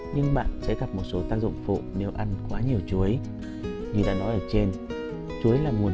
nhưng bạn sẽ gặp một số tác dụng phụ nếu ăn quá nhiều chuối như đã nói ở trên chuối là nguồn